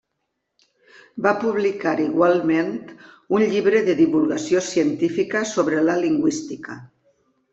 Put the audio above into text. Va publicar igualment un llibre de divulgació científica sobre la Lingüística.